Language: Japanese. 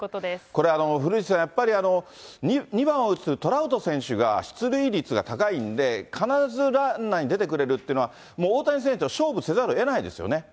これ、古内さん、やっぱり２番を打つトラウト選手が出塁率が高いんで、必ずランナーに出てくれるっていうのは、もう大谷選手と勝負せざるをえないですよね。